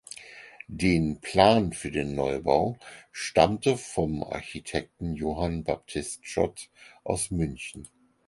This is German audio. Den Plan für den Neubau stammte vom Architekten Johann Baptist Schott aus München.